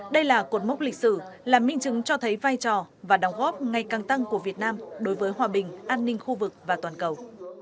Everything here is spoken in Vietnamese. đây là cột mốc lịch sử là minh chứng cho thấy vai trò và đóng góp ngày càng tăng của việt nam đối với hòa bình an ninh khu vực và toàn cầu